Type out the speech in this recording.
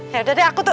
ya udah deh aku tuh